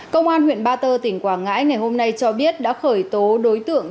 công an huyện ba tơ tỉnh quảng ngãi ngày hôm nay cho biết đã khởi tố đối tượng